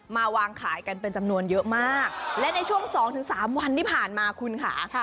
วางขายกันเป็นจำนวนเยอะมากและในช่วงสองถึงสามวันที่ผ่านมาคุณค่ะ